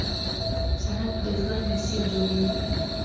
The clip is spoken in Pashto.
سړک د ژوند مسیر جوړوي.